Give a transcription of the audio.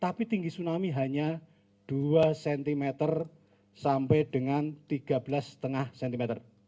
tapi tinggi tsunami hanya dua cm sampai dengan tiga belas lima cm